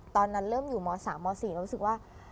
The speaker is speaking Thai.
ตอนนั้นเริ่มอยู่ม๓ม๔เรารู้สึกว่า